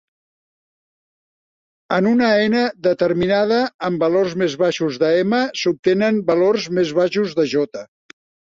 En una "n" determinada, amb valors més baixos d'"m" s'obtenen valors més baixos de "j".